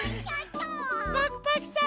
パクパクさん